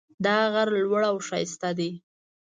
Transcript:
دا غر لوړ او ښایسته ده